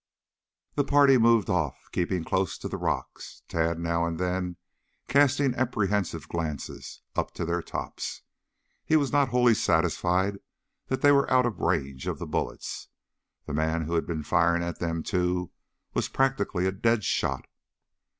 The party moved off, keeping close to the rocks, Tad now and then casting apprehensive glances up to their tops. He was not wholly satisfied that they were out of range of the bullets. The man who had been firing at them, too, was practically a dead shot.